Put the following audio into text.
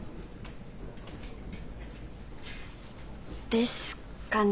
ですかね。